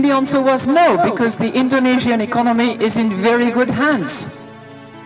dan jawabannya adalah tidak karena ekonomi indonesia dalam tangan yang sangat baik